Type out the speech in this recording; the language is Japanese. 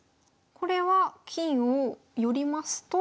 これは金を寄りますと。